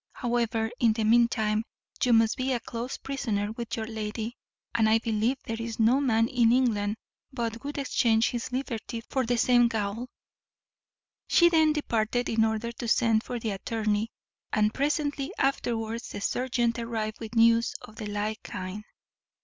However, in the mean time, you must be a close prisoner with your lady; and I believe there is no man in England but would exchange his liberty for the same gaol." She then departed in order to send for the attorney, and presently afterwards the serjeant arrived with news of the like kind.